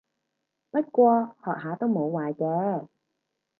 不過學下都冇壞嘅